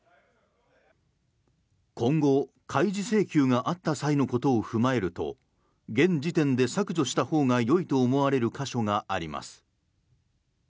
今後、開示請求があった際のことを踏まえると現時点で削除したほうがよいと思われる箇所があります。